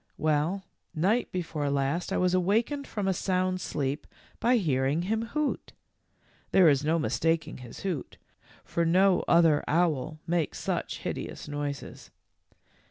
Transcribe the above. Well, night before last I was awakened from a sound sleep by hearing him hoot. There is no mis taking his hoot, for no other owl makes such hideous noises.